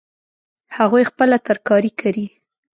هغوی خپله ترکاري کري